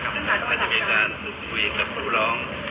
ถ้าจะมีการสู่ผู้หญิงกับผู้ร้อง